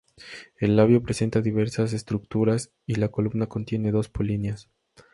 El labio presenta diversas estructuras y la columna contiene dos polinias.